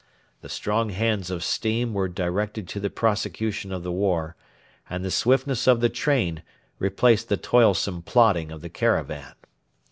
The strong hands of steam were directed to the prosecution of the war, and the swiftness of the train replaced the toilsome plodding of the caravan.